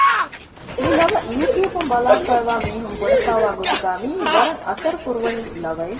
މި ލަވަ ޔޫޓިއުބުން ބަލާފައިވާ މީހުން ބުނެފައިވާ ގޮތުގައި މިއީ ވަރަށް އަސަރު ކުރުވަނިވި ލަވައެއް